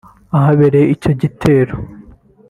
ahabereye ico gitero